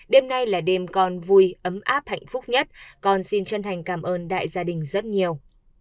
đêm nay là đêm con vui ấm áp hạnh phúc nhất con xin chân thành cảm ơn đại gia đình rất nhiều